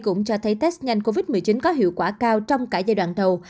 cũng cho thấy test nhanh covid một mươi chín có hiệu quả cao trong cả giai đoạn đầu